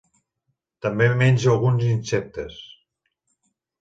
També menja alguns insectes.